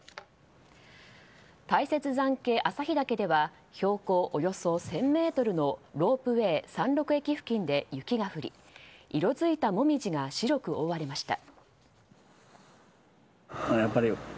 大雪山系旭岳では標高およそ１０００ｍのロープウェイ山麓駅付近で雪が降り、色づいたモミジが白く覆われました。